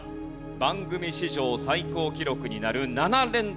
番組史上最高記録になる７連続正解なるか？